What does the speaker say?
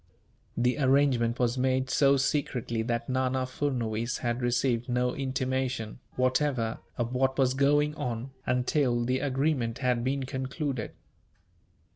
The arrangement was made so secretly that Nana Furnuwees had received no intimation, whatever, of what was going on, until the agreement had been concluded.